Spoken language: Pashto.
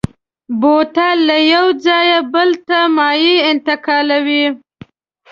بوتل له یو ځایه بل ته مایع انتقالوي.